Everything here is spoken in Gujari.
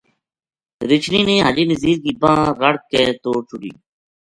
رچھنی نے حاجی نزیر کی بانہہ رَڑک کے توڑ چھُڑی